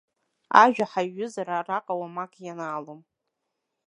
Ажәа ҳаиҩызара араҟа уамак ианаалом.